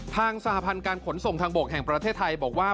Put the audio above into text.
สหพันธ์การขนส่งทางบกแห่งประเทศไทยบอกว่า